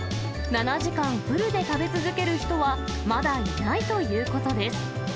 ７時間フルで食べ続ける人は、まだいないということです。